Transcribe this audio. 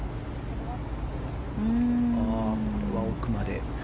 これは奥まで。